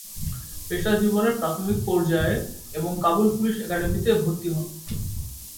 পেশা জীবনের প্রাথমিক পর্যায়ে, এবং কাবুল পুলিশ একাডেমিতে ভর্তি হন।